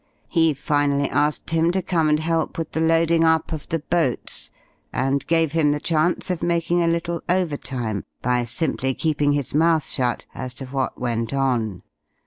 He finally asked him to come and help with the loading up of the boats, and gave him the chance of making a little overtime by simply keeping his mouth shut as to what went on.